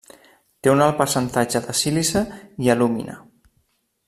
Té un alt percentatge de sílice i alúmina.